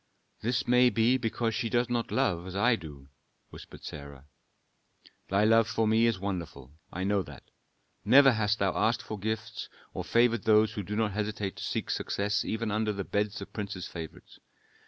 "This may be because she does not love as I do," whispered Sarah. "Thy love for me is wonderful, I know that. Never hast thou asked for gifts, or favored those who do not hesitate to seek success even under the beds of princes' favorites.